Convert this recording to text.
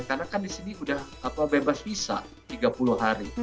karena kan di sini sudah bebas visa tiga puluh hari